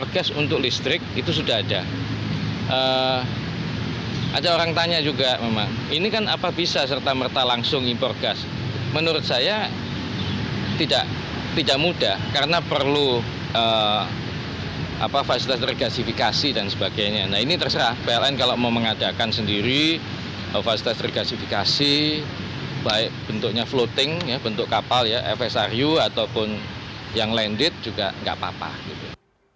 kediri avastasifikasi baik bentuknya floating bentuk kapal ya fsru ataupun yang landed juga gak apa apa